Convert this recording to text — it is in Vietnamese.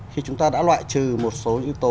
khi chúng ta đã loại trừ một số yếu tố